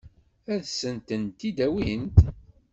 Ad sen-tent-id-awint?